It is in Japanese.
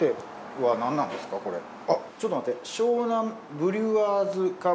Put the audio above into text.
あっちょっと待って。